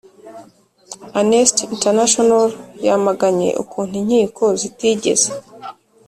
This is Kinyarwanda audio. amnesty international yamaganye ukuntu inkiko zitigeze